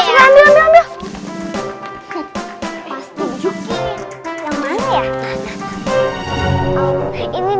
coba tapi ambil itu tuh kayu yang di situ